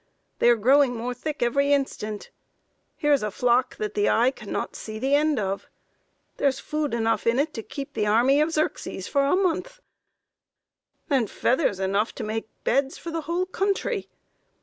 They are growing more thick every instant. Here is a flock that the eye cannot see the end of. There is food enough in it to keep the army of Xerxes for a month and feathers enough to make beds for the whole country....